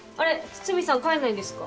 筒見さん帰んないんですか？